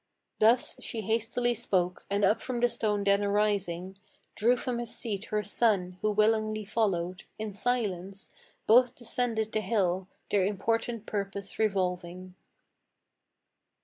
Thus she hastily spoke, and up from the stone then arising, Drew from his seat her son, who willingly followed. In silence Both descended the hill, their important purpose revolving.